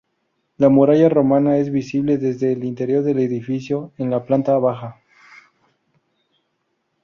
La muralla romana es visible desde el interior del edificio, en la planta baja.